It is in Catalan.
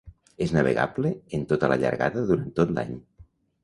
És navegable en tota la llargada durant tot l'any.